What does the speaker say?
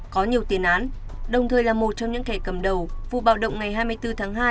có nhiều tiền án đồng thời là một trong những kẻ cầm đầu vụ bạo động ngày hai mươi bốn tháng hai